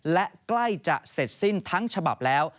และใกล้จะเสร็จสิ้นทั้งฉบับแล้ว